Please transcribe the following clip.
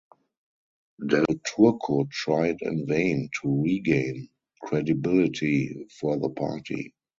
Del Turco tried in vain to regain credibility for the party.